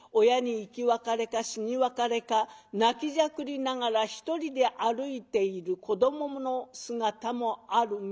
親に生き別れか死に別れか泣きじゃくりながら一人で歩いている子どもの姿もある。